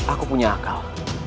aku punya akal